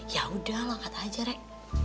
yaudah lah kata aja rek